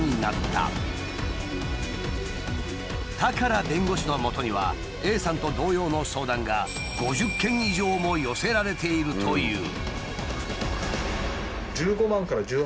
良弁護士のもとにはＡさんと同様の相談が５０件以上も寄せられているという。